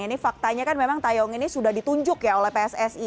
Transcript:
ini faktanya kan memang tayong ini sudah ditunjuk ya oleh pssi